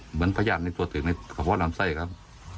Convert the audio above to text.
เหมือนพระญาติในตัวตึกในสะพร้อมลำไส้ครับ